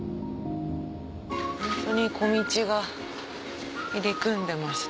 ホントに小道が入り組んでますね。